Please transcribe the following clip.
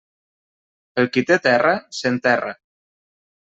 El qui té terra, s'enterra.